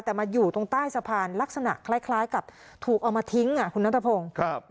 แต่มาอยู่ตรงใต้สะพานลักษณะคล้ายกับถูกเอามาทิ้งคุณนัทพงศ์